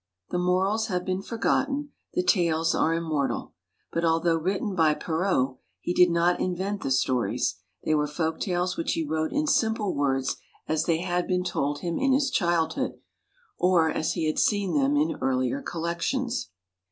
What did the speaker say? The morals have been forgotten, the tales are immortal. But although written by Perrault, he did not invent the stories, they were folk tales which he wrote in simple words as they had been told him in his childhood, or as he had seen them in earlier collections.